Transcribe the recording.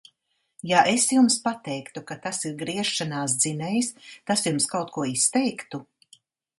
Ja es jums pateiktu, ka tas ir griešanās dzinējs, tas jums kaut ko izteiktu?